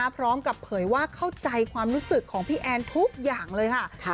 พร้อมกับเผยว่าเข้าใจความรู้สึกของพี่แอนทุกอย่างเลยค่ะ